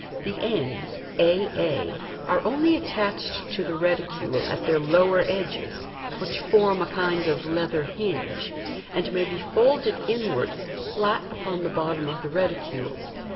The ends, a a, are only attached to the reticule at their lower edges (which form a kind of leather hinge), and may be folded inwards flat upon the bottom of the reticule.